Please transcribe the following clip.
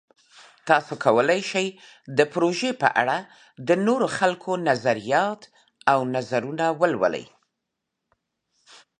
تاسو کولی شئ د پروژې په اړه د نورو خلکو نظریات او نظرونه ولولئ.